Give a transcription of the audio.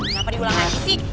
kenapa diulang lagi sih